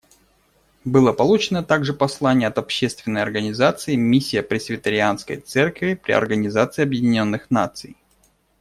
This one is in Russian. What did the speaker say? Было получено также послание от общественной организации Миссия Пресвитерианской церкви при Организации Объединенных Наций.